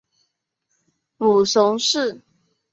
母熊氏。